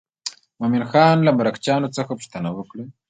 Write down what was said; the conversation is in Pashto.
مومن خان له مرکچیانو څخه پوښتنه وکړه.